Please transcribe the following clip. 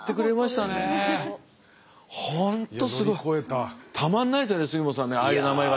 たまんないですよね杉本さんねああいう名前は。